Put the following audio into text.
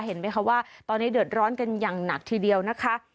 เห็นไหมคะว่าตอนนี้เดือดร้อนกันอย่างหนักทีเดียวนะคะ